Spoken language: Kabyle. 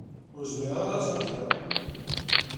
Ur zmireɣ ara ad tt-muqleɣ.